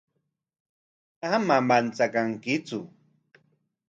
Ama manchakankitsu.